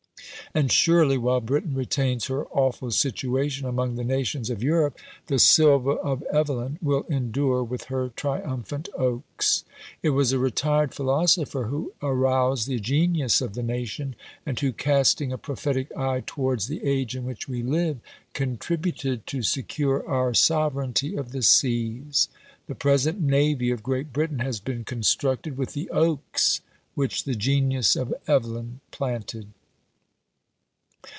And surely while Britain retains her awful situation among the nations of Europe, the "Sylva" of Evelyn will endure with her triumphant oaks. It was a retired philosopher who aroused the genius of the nation, and who, casting a prophetic eye towards the age in which we live, contributed to secure our sovereignty of the seas. The present navy of Great Britain has been constructed with the oaks which the genius of Evelyn planted!